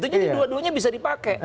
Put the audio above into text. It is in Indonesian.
jadi dua duanya bisa dipakai